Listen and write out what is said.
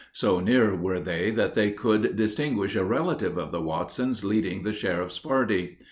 So near were they that they could distinguish a relative of the Watsons leading the sheriff's party.